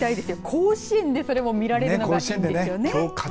甲子園でそれも見られるのがいいですよね。